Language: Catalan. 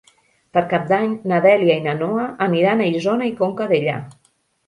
Per Cap d'Any na Dèlia i na Noa aniran a Isona i Conca Dellà.